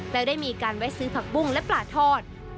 และได้มีการแวะซื้อผักบุ้งและปลาทอด